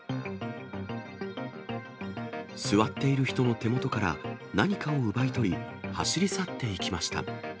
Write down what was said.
座っている人の手元から何かを奪い取り、走り去っていきました。